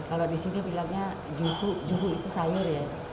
kalau di sini bilangnya juhu itu sayur ya